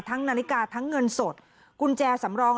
นาฬิกาทั้งเงินสดกุญแจสำรอง